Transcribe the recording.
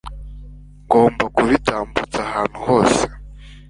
ngomba kubitambutsa ahantu hose